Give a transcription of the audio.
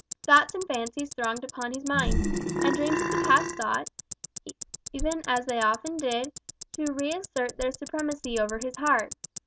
Thoughts and fancies thronged upon his mind; and dreams of the past sought, as even yet they often did, to reassert their supremacy over his heart.